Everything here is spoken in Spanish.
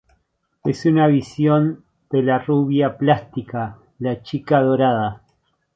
Es una visión de la rubia plástica, la chica dorada.